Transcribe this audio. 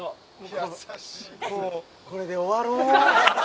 もうこれで終わろう？